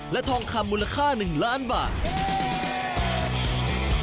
และทองคำมูลค่า๑ล้านบาท